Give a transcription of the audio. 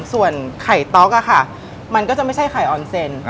ส่วนไข่ต๊อกมันก็จะไม่ใช่ไข่ออนเซน